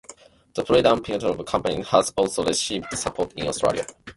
The freedom pineapple campaign has also received support in Australia.